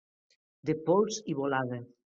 De pols i volada.